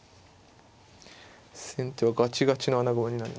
先手はガチガチの穴熊になりましたね。